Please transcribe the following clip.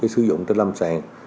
sử dụng trên lâm sàn